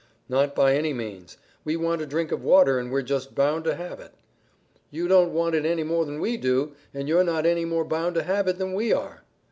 "Not by any means. We want a drink of water, and we're just bound to have it." "You don't want it any more than we do, and you're not any more bound to have it than we are."